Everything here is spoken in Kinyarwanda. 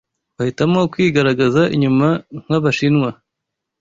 Bahitamo kwigaragaza inyuma nk’abashimwa